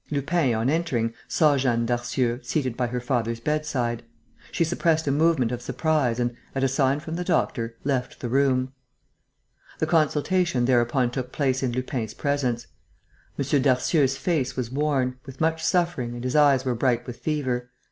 Lupin, on entering, saw Jeanne Darcieux seated by her father's bedside. She suppressed a movement of surprise and, at a sign from the doctor, left the room. The consultation thereupon took place in Lupin's presence. M. Darcieux's face was worn, with much suffering and his eyes were bright with fever.